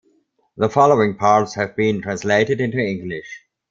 The following parts have been translated into English.